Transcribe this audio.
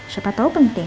siapa tau penting